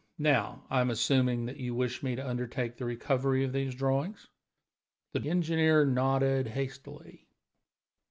Now I am assuming that you wish me to undertake the recovery of these drawings?" The engineer nodded hastily.